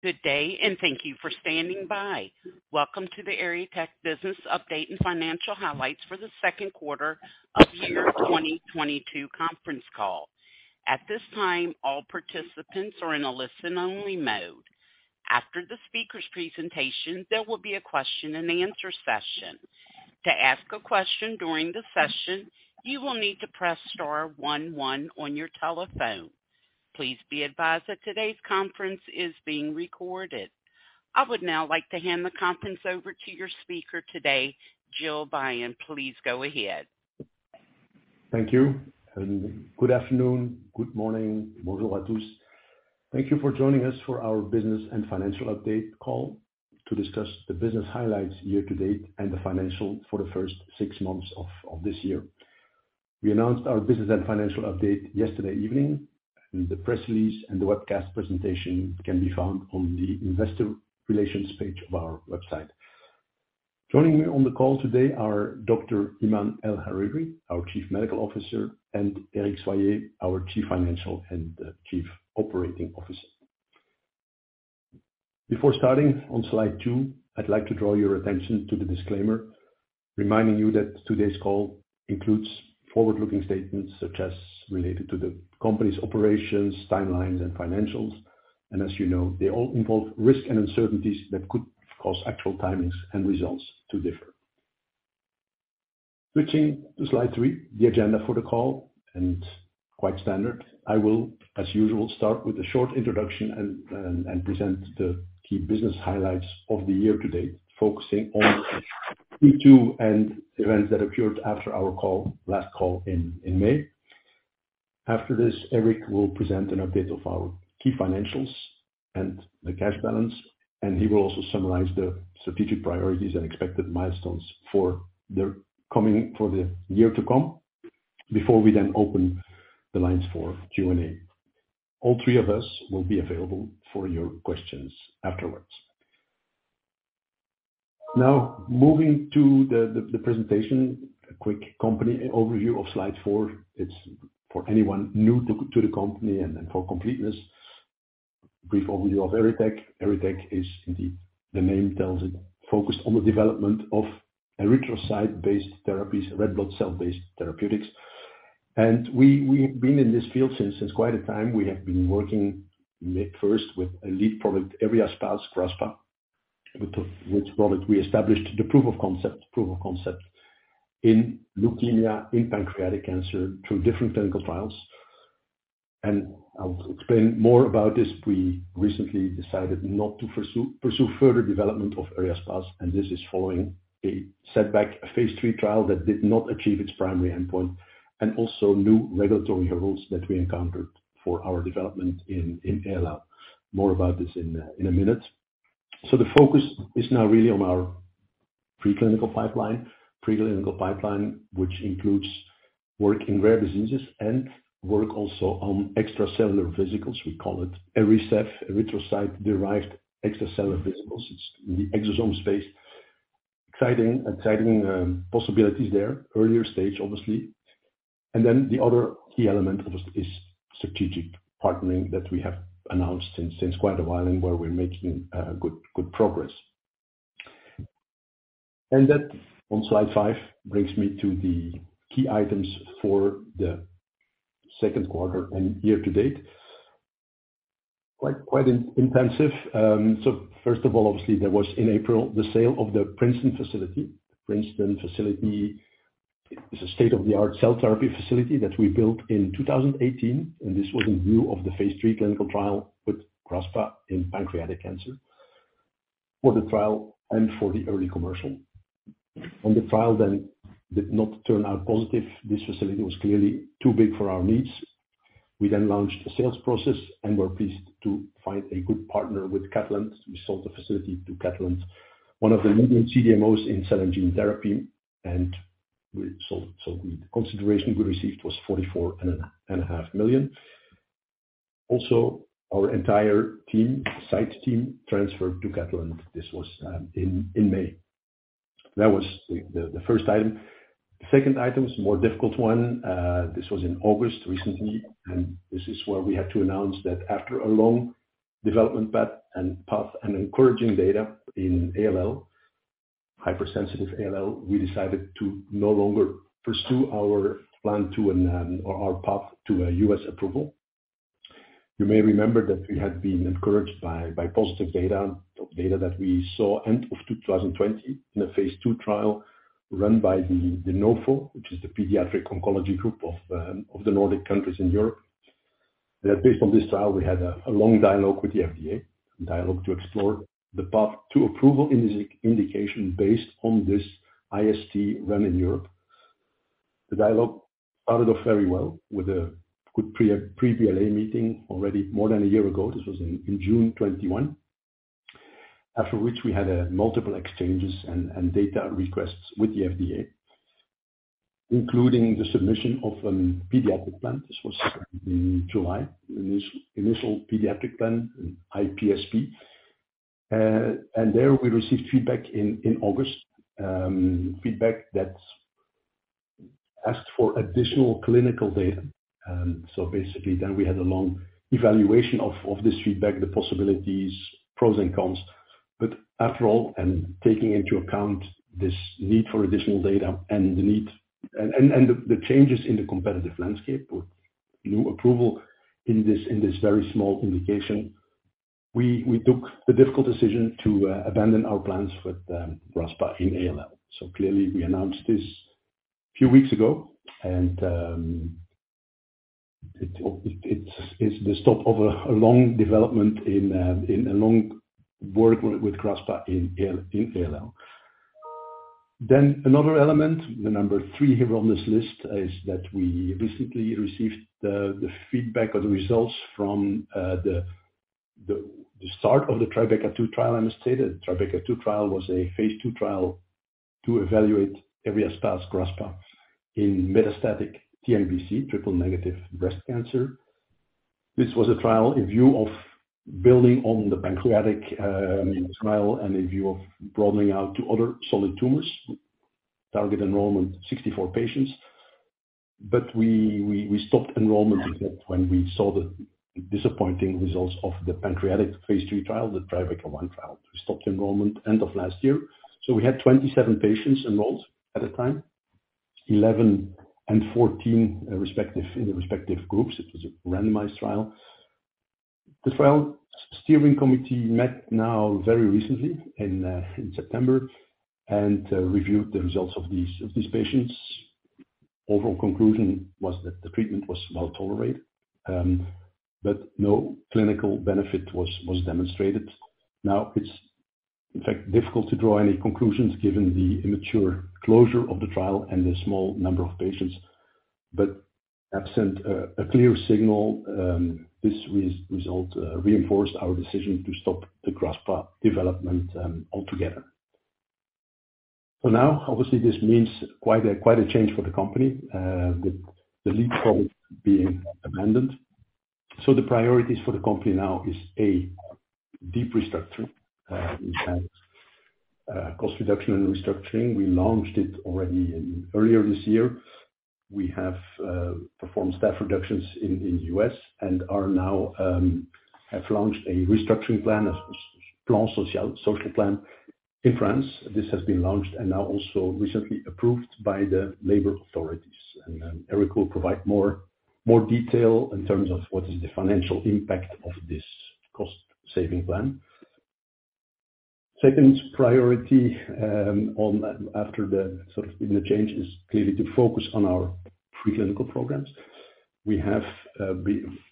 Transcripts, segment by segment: Good day and thank you for standing by. Welcome to the ERYTECH Business Update and Financial Highlights for the second quarter of the year 2022 conference call. At this time, all participants are in a listen-only mode. After the speaker's presentation, there will be a question and answer session. To ask a question during the session, you will need to press star one one on your telephone. Please be advised that today's conference is being recorded. I would now like to hand the conference over to your speaker today, Gil Beyen. Please go ahead. Thank you, and good afternoon. Good morning. Bonjour à tous. Thank you for joining us for our business and financial update call to discuss the business highlights year-to-date and the financial for the first six months of this year. We announced our business and financial update yesterday evening, and the press release and the webcast presentation can be found on the investor relations page of our website. Joining me on the call today are Dr. Iman El-Hariry, our Chief Medical Officer, and Eric Soyer, our Chief Financial and Chief Operating Officer. Before starting, on slide 2, I'd like to draw your attention to the disclaimer, reminding you that today's call includes forward-looking statements such as related to the company's operations, timelines, and financials, and as you know, they all involve risk and uncertainties that could cause actual timings and results to differ. Switching to slide three, the agenda for the call is quite standard. I will, as usual, start with a short introduction and present the key business highlights of the year to date, focusing on Q2 and events that occurred after our last call in May. After this, Eric will present an update of our key financials and the cash balance, and he will also summarize the strategic priorities and expected milestones for the year to come, before we then open the lines for Q&A. All three of us will be available for your questions afterwards. Now moving to the presentation, a quick company overview of slide four. It's for anyone new to the company and then for completeness. Brief overview of ERYTECH. ERYTECH is, as the name tells it, focused on the development of erythrocyte-based therapies, red blood cell-based therapeutics. We've been in this field since quite a time. We have been working first with a lead product, eryaspase GRASPA, which product we established the proof of concept in leukemia, in pancreatic cancer through different clinical trials. I'll explain more about this. We recently decided not to pursue further development of eryaspase, and this is following a setback, a phase 3 trial that did not achieve its primary endpoint, and also new regulatory hurdles that we encountered for our development in ALL. More about this in a minute. The focus is now really on our preclinical pipeline, which includes work in rare diseases and work also on extracellular vesicles. We call it ERYCEV, erythrocyte-derived extracellular vesicles. It's in the exosome space. Exciting possibilities there. Earlier stage, obviously. The other key element of this is strategic partnering that we have announced since quite a while and where we're making good progress. That, on slide 5, brings me to the key items for the second quarter and year to date. Quite intensive. First of all, obviously there was in April the sale of the Princeton facility. Princeton facility is a state-of-the-art cell therapy facility that we built in 2018, and this was in view of the phase 3 clinical trial with GRASPA in pancreatic cancer. For the trial and for the early commercial. When the trial then did not turn out positive, this facility was clearly too big for our needs. We then launched a sales process and were pleased to find a good partner with Catalent. We sold the facility to Catalent, one of the leading CDMOs in cell and gene therapy, and we sold. The consideration we received was 44.5 million. Also, our entire team, site team, transferred to Catalent. This was in May. That was the first item. The second item is a more difficult one. This was in August, recently, and this is where we had to announce that after a long development path and encouraging data in ALL, hypersensitive ALL, we decided to no longer pursue our path to a US approval. You may remember that we had been encouraged by positive data that we saw end of 2020 in a phase 2 trial run by the NOPHO, which is the pediatric oncology group of the Nordic countries in Europe, that based on this trial, we had a long dialogue with the FDA to explore the path to approval indication based on this IST run in Europe. The dialogue started off very well with a good pre-BLA meeting already more than a year ago. This was in June 2021. After which we had multiple exchanges and data requests with the FDA, including the submission of a pediatric plan. This was in July. Initial pediatric plan, IPSP. And there we received feedback in August. Feedback that asked for additional clinical data. Basically, we had a long evaluation of this feedback, the possibilities, pros and cons. After all, taking into account this need for additional data and the need and the changes in the competitive landscape or new approval in this very small indication, we took the difficult decision to abandon our plans for GRASPA in ALL. Clearly we announced this a few weeks ago, and it's the stop of a long development in a long work with GRASPA in ALL. Another element, the number three here on this list, is that we recently received the feedback or the results from the start of the TRYbeCA-2 trial. I must state that TRYbeCA-2 trial was a phase 2 trial to evaluate ERYTECH's GRASPA in metastatic TNBC, triple negative breast cancer. This was a trial in view of building on the pancreatic trial and in view of broadening out to other solid tumors. Target enrollment 64 patients. We stopped enrollment with that when we saw the disappointing results of the pancreatic phase 3 trial, the TRYbeCA-1 trial. We stopped enrollment end of last year. We had 27 patients enrolled at the time, 11 and 14 respectively, in the respective groups. It was a randomized trial. The trial steering committee met very recently in September and reviewed the results of these patients. Overall conclusion was that the treatment was well-tolerated, but no clinical benefit was demonstrated. It's in fact difficult to draw any conclusions given the immature closure of the trial and the small number of patients. Absent a clear signal, this result reinforced our decision to stop the GRASPA development altogether. For now, obviously, this means quite a change for the company, with the lead product being abandoned. The priorities for the company now is, A, deep restructuring. We have cost reduction and restructuring. We launched it already in early this year. We have performed staff reductions in the U.S. and now have launched a restructuring plan, a social plan in France. This has been launched and now also recently approved by the labor authorities. Eric will provide more detail in terms of what is the financial impact of this cost-saving plan. Second priority, on... After the sort of initial change is clearly to focus on our preclinical programs. We have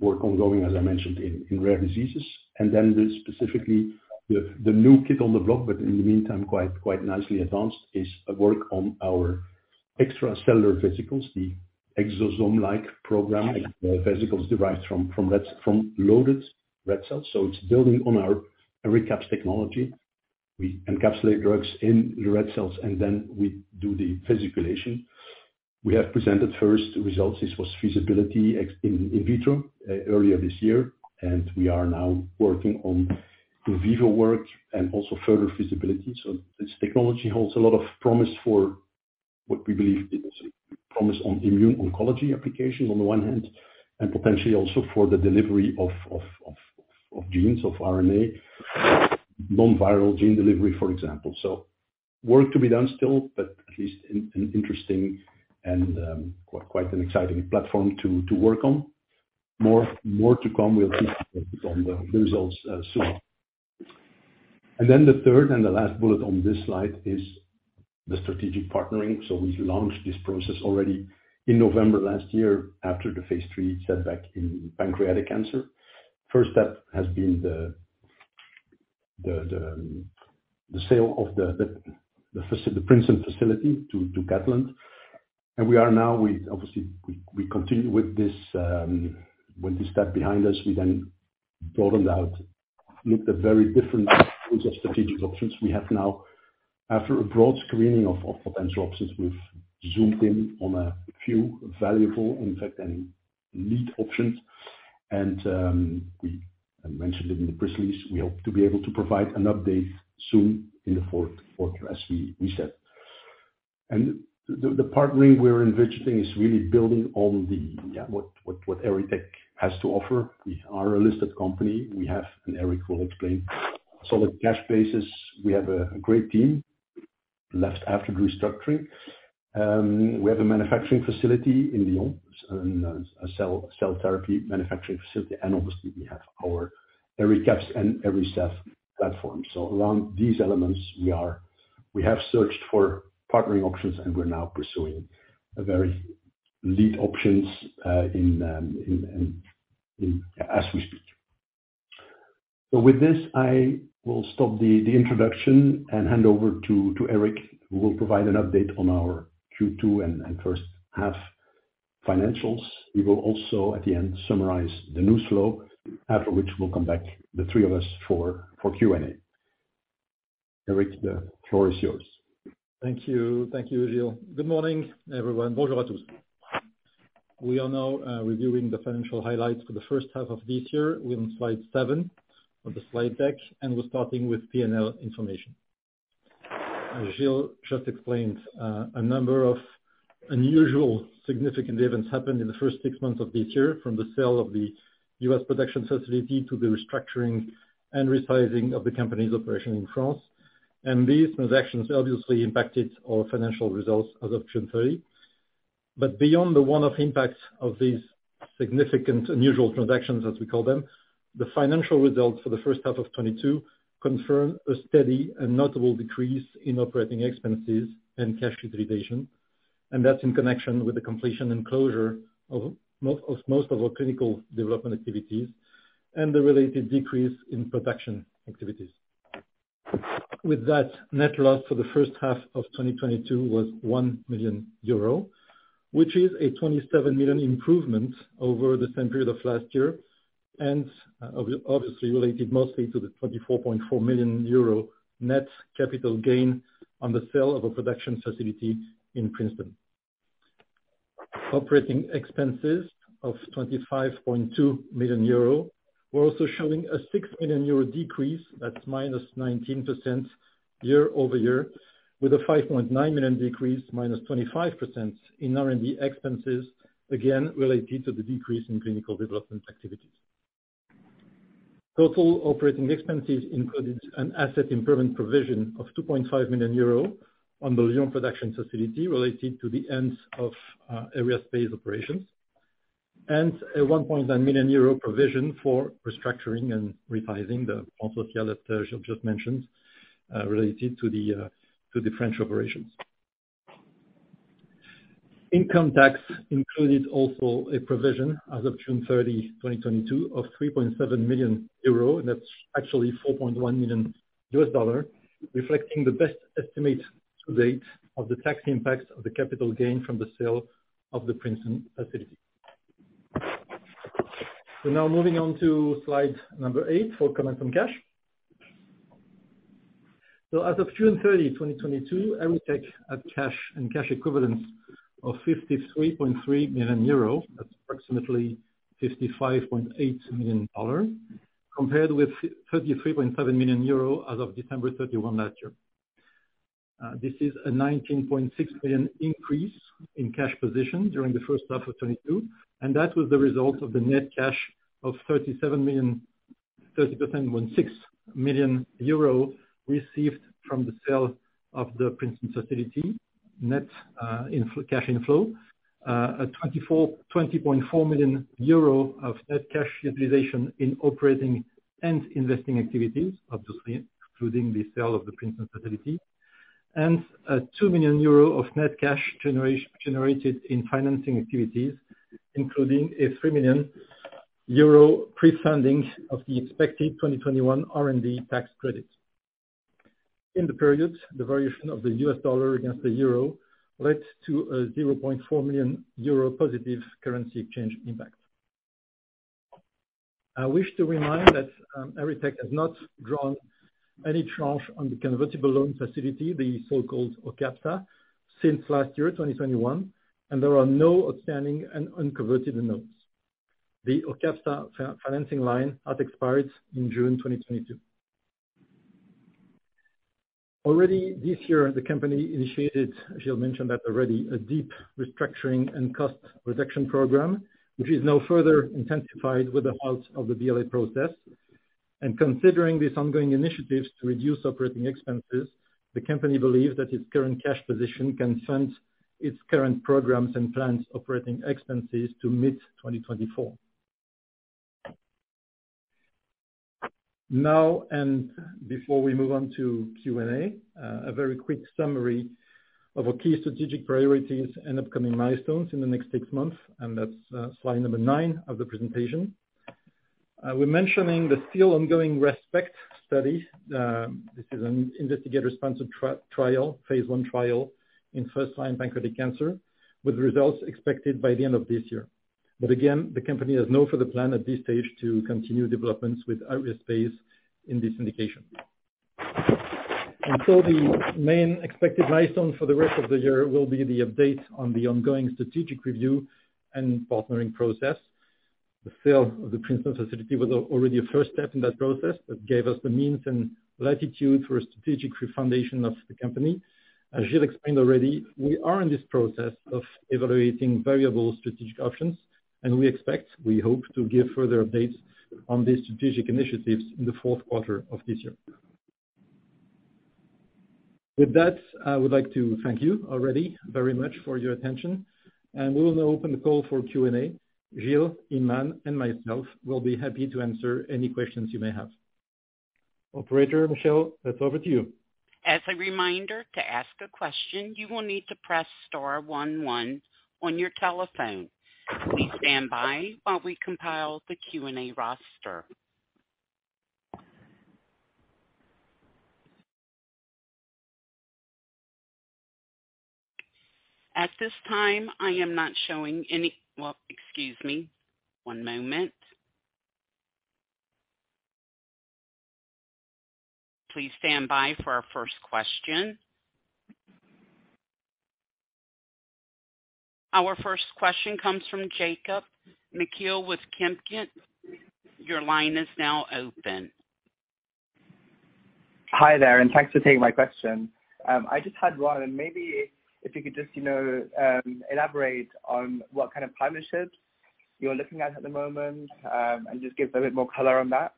work ongoing, as I mentioned, in rare diseases, and then specifically the new kid on the block, but in the meantime quite nicely advanced, is a work on our extracellular vesicles. The exosome-like program, the vesicles derived from loaded red cells. It's building on our ERYCAPS technology. We encapsulate drugs in the red cells, and then we do the vesiculation. We have presented first results. This was feasibility in vitro earlier this year, and we are now working on the in vivo work and also further feasibility. This technology holds a lot of promise for what we believe is promising in immuno-oncology applications on the one hand, and potentially also for the delivery of genes of RNA. Non-viral gene delivery, for example. Work to be done still, but at least an interesting and quite an exciting platform to work on. More to come. We'll keep you updated on the results soon. Then the third and the last bullet on this slide is the strategic partnering. We've launched this process already in November last year after the phase three setback in pancreatic cancer. First step has been the sale of the Princeton facility to Catalent. We are now. We obviously continue with this step behind us. We then broadened out, looked at very different pools of strategic options. We have now, after a broad screening of potential options, we've zoomed in on a few valuable, in fact, any lead options. I mentioned it in the press release. We hope to be able to provide an update soon in the fourth Q, as we said. The partnering we're envisaging is really building on what ERYTECH has to offer. We are a listed company. We have, and Eric will explain, solid cash basis. We have a great team left after restructuring. We have a manufacturing facility in Lyon, a cell therapy manufacturing facility, and obviously we have our ERYCAPS and ERYCEV platforms. Along these elements, we are. We have searched for partnering options, and we're now pursuing viable lead options as we speak. With this, I will stop the introduction and hand over to Eric, who will provide an update on our Q2 and first half financials. He will also, at the end, summarize the news flow, after which we'll come back, the three of us, for Q&A. Eric, the floor is yours. Thank you. Thank you, Gil Beyen. Good morning, everyone. Bonjour à tous. We are now reviewing the financial highlights for the first half of this year. We're on slide 7 of the slide deck, and we're starting with P&L information. As Gil Beyen just explained, a number of unusual significant events happened in the first 6 months of this year, from the sale of the US production facility to the restructuring and resizing of the company's operation in France. These transactions obviously impacted our financial results as of June 30. Beyond the one-off impacts of these significant unusual transactions, as we call them, the financial results for the first half of 2022 confirm a steady and notable decrease in operating expenses and cash utilization. That's in connection with the completion and closure of most of our clinical development activities and the related decrease in production activities. With that, net loss for the first half of 2022 was 1 million euro, which is a 27 million improvement over the same period of last year, and obviously related mostly to the 24.4 million euro net capital gain on the sale of a production facility in Princeton. Operating expenses of 25.2 million euro. We're also showing a 6 million euro decrease, that's minus 19% year-over-year, with a 5.9 million decrease, minus 25% in R&D expenses, again, related to the decrease in clinical development activities. Total operating expenses included an asset impairment provision of 2.5 million euro on the Lyon production facility related to the end of eryaspase operations, and a 1.9 million euro provision for restructuring and revising the just mentioned related to the French operations. Income tax included also a provision as of June 30, 2022 of 3.7 million euro. That's actually $4.1 million, reflecting the best estimate to date of the tax impact of the capital gain from the sale of the Princeton facility. Now moving on to slide 8 for comment on cash. As of June 30, 2022, ERYTECH had cash and cash equivalents of 53.3 million euro. That's approximately $55.8 million, compared with 33.7 million euro as of December 31 last year. This is a 19.6 million increase in cash position during the first half of 2022, and that was the result of the net cash inflow of 37.16 million received from the sale of the Princeton facility, a 20.4 million euro of net cash utilization in operating and investing activities, obviously including the sale of the Princeton facility, and a 2 million euro of net cash generated in financing activities, including a 3 million euro pre-funding of the expected 2021 R&D tax credit. In the period, the variation of the US dollar against the euro led to a 0.4 million euro positive currency exchange impact. I wish to remind that ERYTECH has not drawn any tranche on the convertible loan facility, the so-called OCABSA, since last year, 2021, and there are no outstanding and unconverted notes. The OCABSA financing line had expired in June 2022. Already this year, the company initiated, Gilles mentioned that already, a deep restructuring and cost reduction program, which is now further intensified with the halt of the BLA process. Considering these ongoing initiatives to reduce operating expenses, the company believes that its current cash position can fund its current programs and plans operating expenses to mid-2024. Now, before we move on to Q&A, a very quick summary of our key strategic priorities and upcoming milestones in the next six months, and that's slide number 9 of the presentation. We're mentioning the still ongoing rESPECT study. This is an investigator-sponsored trial, phase 1 trial in first-line pancreatic cancer, with results expected by the end of this year. Again, the company has no further plan at this stage to continue developments with eryaspase in this indication. The main expected milestone for the rest of the year will be the update on the ongoing strategic review and partnering process. The sale of the Princeton facility was already a first step in that process. That gave us the means and latitude for a strategic refoundation of the company. As Gil explained already, we are in this process of evaluating various strategic options, and we expect, we hope, to give further updates on these strategic initiatives in the fourth quarter of this year. With that, I would like to thank you already very much for your attention, and we will now open the call for Q&A. Gil Beyen, Iman El-Hariry, and myself will be happy to answer any questions you may have. Operator Michelle, it's over to you. As a reminder, to ask a question, you will need to press star one one on your telephone. Please stand by while we compile the Q&A roster. At this time, I am not showing any. Well, excuse me one moment. Please stand by for our first question. Our first question comes from Jacob Mekhael with Kempen. Your line is now open. Hi there, and thanks for taking my question. I just had one and maybe if you could just, you know, elaborate on what kind of partnerships you're looking at the moment, and just give a bit more color on that.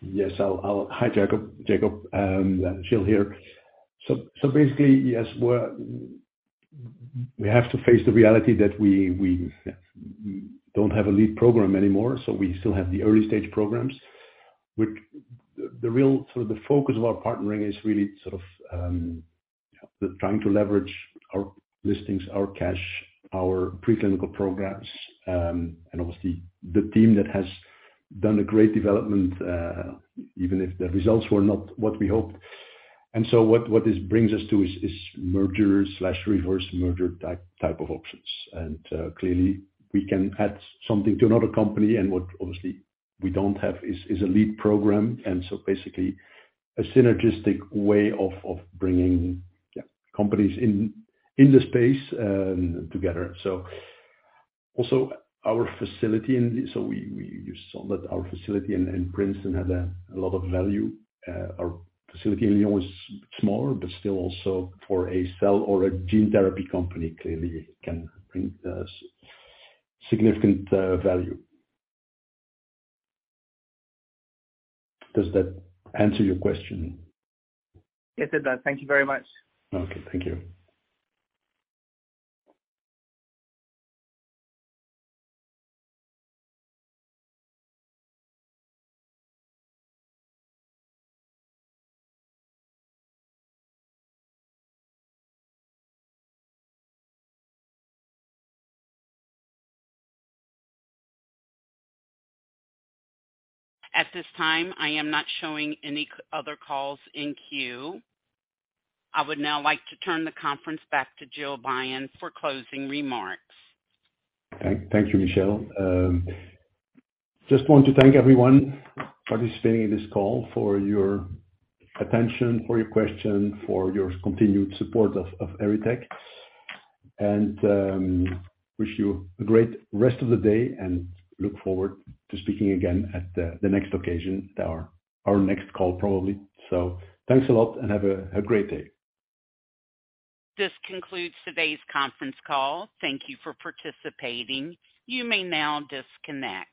Yes. Hi, Jacob. Jacob, Gil here. Basically, yes, we have to face the reality that we don't have a lead program anymore, so we still have the early-stage programs. The real sort of the focus of our partnering is really sort of trying to leverage our listings, our cash, our preclinical programs, and obviously the team that has done a great development, even if the results were not what we hoped. What this brings us to is merger/reverse merger type of options. Clearly we can add something to another company and what obviously we don't have is a lead program. Basically a synergistic way of bringing companies in the space together. Also our facility. You saw that our facility in Princeton had a lot of value. Our facility in Lyon was smaller, but still also for a cell or a gene therapy company clearly can bring us significant value. Does that answer your question? It did that. Thank you very much. Okay. Thank you. At this time, I am not showing any other calls in queue. I would now like to turn the conference back to Gil Beyen for closing remarks. Thank you, Michelle. Just want to thank everyone participating in this call for your attention, for your question, for your continued support of ERYTECH, and wish you a great rest of the day and look forward to speaking again at the next occasion. Our next call, probably. Thanks a lot and have a great day. This concludes today's conference call. Thank you for participating. You may now disconnect.